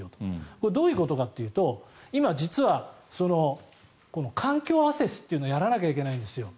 これ、どういうことかというと今、実は、環境アセスというのをやらなきゃいけないんですよ。